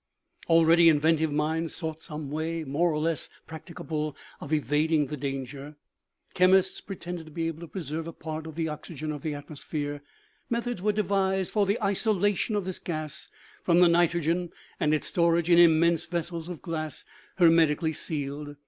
Already inventive minds sought some way, more or less practicable, of evading the danger. Chem ists pretended to be able to preserve a part of the oxygen of the atmosphere. Methods were devised for the isolation of t'lis gas from the nitrogen and its stor age in immense vessels of glass hermetically sealed.